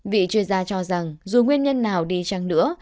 vị chuyên gia cho rằng dù nguyên nhân nào đi chăng nữa